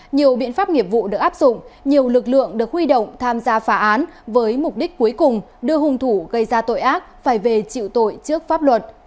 nhiều biện pháp nghiệp vụ được áp dụng nhiều lực lượng được huy động tham gia phá án với mục đích cuối cùng đưa hung thủ gây ra tội ác phải về chịu tội trước pháp luật